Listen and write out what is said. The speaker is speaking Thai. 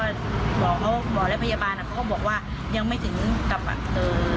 หมอเขาหมอและพยาบาลอ่ะเขาก็บอกว่ายังไม่ถึงกับแบบเอ่อ